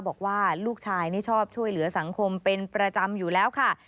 บอกว่าลูกชายนี่ชอบช่วยเหลือสังคมเป็นประจำอยู่แล้วค่ะ